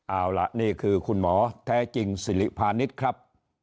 เอาล่ะนี่คือคุณหมอแท้จริงสิริพาณิชย์ครับ